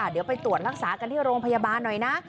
เดี๋ยวไปตรวจรักษากันที่โรงพยาบาลหน่อยนะ